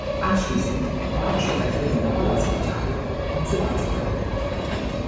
Anschließend war er Sprecher der Lavalas-Partei und Senatspräsident.